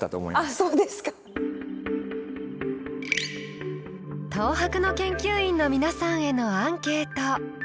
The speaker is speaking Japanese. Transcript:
あそうですか。東博の研究員の皆さんへのアンケート。